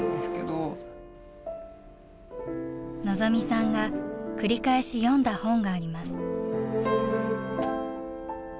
望未さんが繰り返し読んだ本があります。